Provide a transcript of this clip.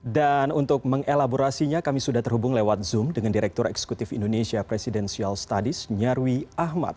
dan untuk mengelaborasinya kami sudah terhubung lewat zoom dengan direktur eksekutif indonesia presidential studies nyarwi ahmad